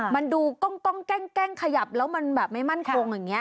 มันดูกล้องแกล้งขยับแล้วมันแบบไม่มั่นคงอย่างนี้